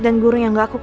kamu kali yang gak asik